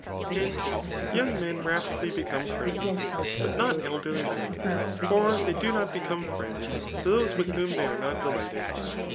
Hence, young men rapidly become friends, but not elderly men j for they do not become friends to those with whom they are not delighted.